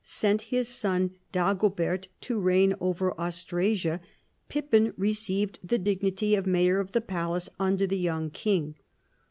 sent his son Dago bert to reign over Austrasia, Pippin received the dignity of mayor of the palace under the young king.